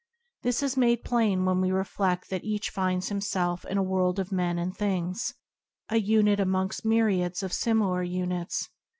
This is made plain when we refled that each finds himself in a world of men and things, a unit amongst myriads of similar units.